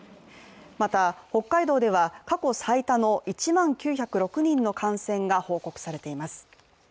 また北海道では過去最多の１万９０６人の感染が報告されています。